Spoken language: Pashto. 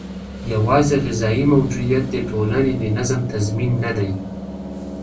یوازې غذايي موجودیت د ټولنې د نظم تضمین نه دی.